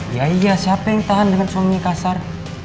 ya iya siapa yang tahan dengan suami kasar